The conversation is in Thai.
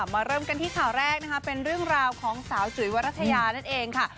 เริ่มกันที่ข่าวแรกนะคะเป็นเรื่องราวของสาวจุ๋ยวรัชยานั่นเองค่ะ